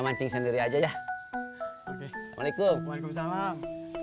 mancing sendiri aja ya waalaikumsalam